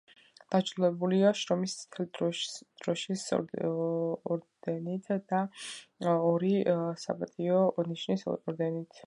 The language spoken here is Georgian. დაჯილდოებულია შრომის წითელი დროშის ორდენით და ორი საპატიო ნიშნის ორდენით.